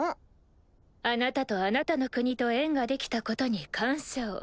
あなたとあなたの国と縁ができたことに感謝を。